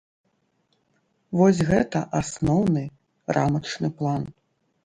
Вось гэта асноўны, рамачны план.